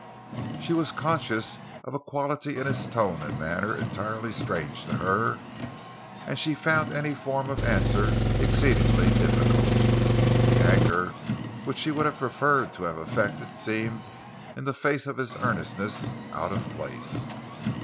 She was conscious of a quality in his tone and manner entirely strange to her, and she found any form of answer exceedingly difficult. The anger which she would have preferred to have affected seemed, in the face of his earnestness, out of place.